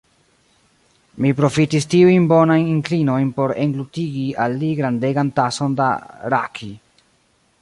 Mi profitis tiujn bonajn inklinojn por englutigi al li grandegan tason da rhaki.